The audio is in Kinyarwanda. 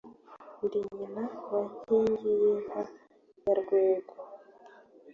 Ndi nyina wa Nkingiy-inka ya Rwego,